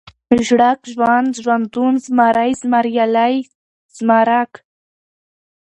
ژړک ، ژوند ، ژوندون ، زمری ، زمريالی ، زمرک